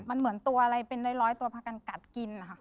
มันเหมือนตัวอะไรเป็นร้อยตัวพากันกัดกินนะคะ